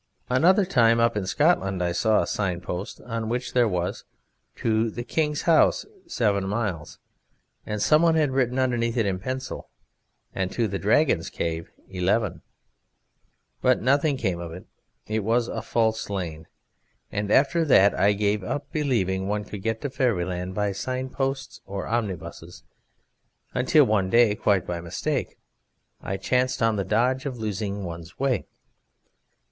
Another time up in Scotland I saw a signpost on which there was, 'To the King's House seven miles.' And some one had written underneath in pencil: 'And to the Dragon's Cave eleven.' But nothing came of it. It was a false lane. After that I gave up believing that one could get to Fairyland by signposts or omnibuses, until one day, quite by mistake, I chanced on the dodge of losing one's way."